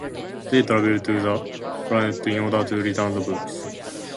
They travel to the planet in order to return the books.